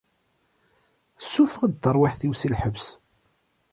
Ssufeɣ-d tarwiḥt-iw si lḥebs.